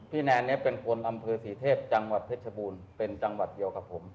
แนนเนี่ยเป็นคนอำเภอศรีเทพจังหวัดเพชรบูรณ์เป็นจังหวัดเดียวกับผม